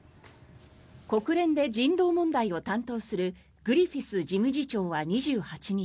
国連で人道問題を担当するグリフィス事務次長は２８日